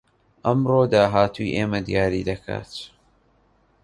ئەمڕۆ داهاتووی ئێمە دیاری دەکات